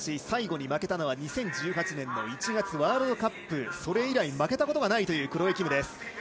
最後に負けたのは２０１８年１月のワールドカップ以来負けたことがないというクロエ・キム。